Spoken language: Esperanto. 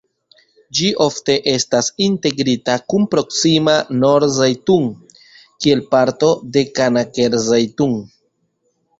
Ĝi ofte estas integrita kun proksima Nor-Zejtun kiel parto de Kanaker-Zejtun.